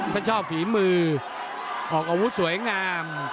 ชอบฝีมือออกอาวุธสวยงาม